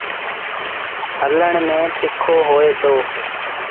هلڻ ميݩ تکو هوئي دو۔